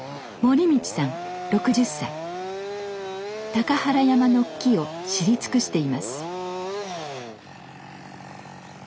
高原山の木を知り尽くしています。